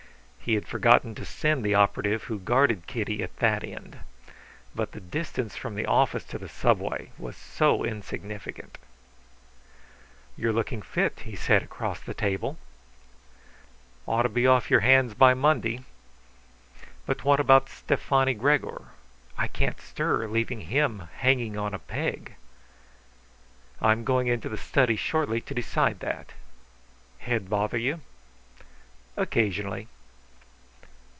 He had forgotten to send down the operative who guarded Kitty at that end. But the distance from the office to the Subway was so insignificant! "You are looking fit," he said across the table. "Ought to be off your hands by Monday. But what about Stefani Gregor? I can't stir, leaving him hanging on a peg." "I am going into the study shortly to decide that. Head bother you?" "Occasionally."